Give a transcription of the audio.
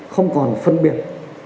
không còn phân biệt